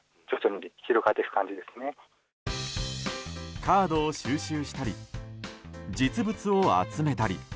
カードを収集したり実物を集めたり。